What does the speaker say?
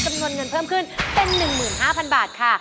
จำนวนเงินเพิ่มขึ้นเป็น๑๕๐๐๐บาทค่ะ